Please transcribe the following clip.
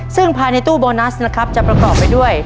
ซึ่งภายในตู้โบนัสนะครับจะประกอบไปด้วย